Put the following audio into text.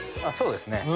そうですね。